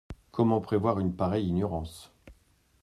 Comment prévoir une pareille ignorance ?